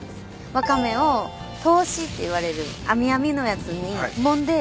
ワカメを通しっていわれる編み編みのやつにもんで粉にする。